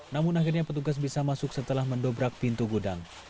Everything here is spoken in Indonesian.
namun akhirnya petugas bisa masuk setelah mendobrak pintu gudang